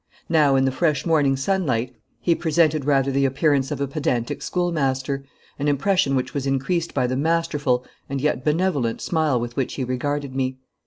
Now in the fresh morning sunlight he presented rather the appearance of a pedantic schoolmaster, an impression which was increased by the masterful, and yet benevolent, smile with which he regarded me.